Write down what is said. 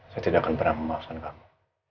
saya tidak akan pernah memaafkan kamu